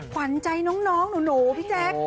ขวัญใจน้องหนูพี่แจ๊ค